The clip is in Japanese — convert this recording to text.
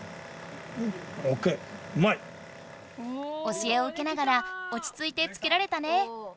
教えをうけながらおちついてつけられたね。